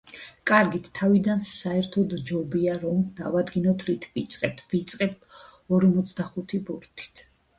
კარგით, თავიდან საერთოდ ჯობია, რომ დავადგინოთ რით ვიწყებთ, ვიწყებთ ორმოცდახუთი ბურთით.